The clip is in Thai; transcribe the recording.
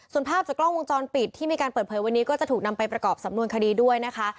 ส่วนภาพจากกล้องวงจรปิดที่มีการเปิดเผยวันนี้ก็จะถูกนำไปประกอบสำนวนคดีด้วยนะคะ